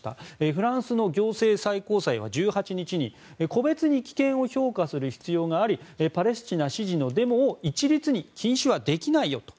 フランスの行政最高裁は１８日に個別に危険を評価する必要がありパレスチナ支持のデモを一律に禁止はできないよと。